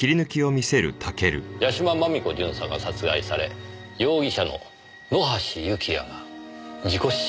屋島真美子巡査が殺害され容疑者の野橋幸也が事故死しました。